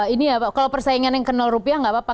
ini ya pak kalau persaingan yang ke rupiah nggak apa apa